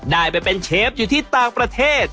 ได้ไปเป็นเชฟอยู่ที่ต่างประเทศ